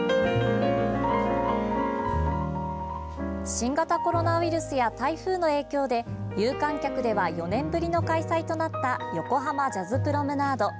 新型コロナウイルスや台風の影響で有観客では４年ぶりの開催となった横濱ジャズプロムナード。